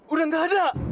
udah nggak ada